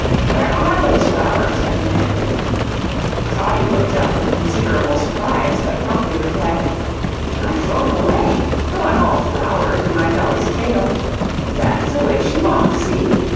"Where are those flowers?" I demanded. Toddie looked up with considerable surprise but promptly replied: "I froed 'em away don't want no ole flowers in my dolly's k'adle. That's ze way she wocks see!"